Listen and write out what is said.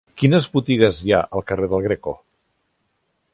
Quines botigues hi ha al carrer del Greco?